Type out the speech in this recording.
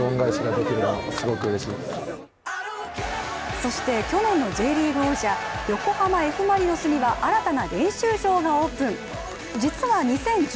そして去年のＪリーグ王者横浜Ｆ・マリノスには新たな練習場がオープン。